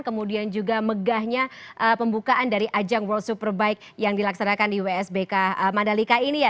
kemudian juga megahnya pembukaan dari ajang world superbike yang dilaksanakan di wsbk mandalika ini ya